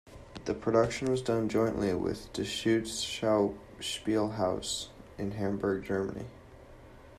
The production was done jointly with the "Deutsches Schauspielhaus" in Hamburg, Germany.